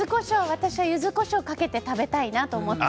私はゆずこしょうをかけて食べたいなと思って。